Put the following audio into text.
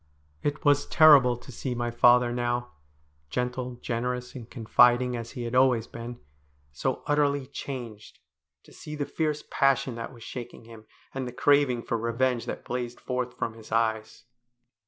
It was terrible to see my father now — gentle, generous, and confiding as he had always been — so utterly changed, to see the fierce passion that was shaking him, and the craving for revenge that blazed forth from his eyes.